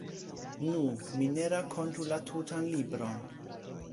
Nu, mi ne rakontu la tutan libron.